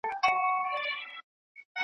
تر دې ځایه پوري نه سو موږ راتللای .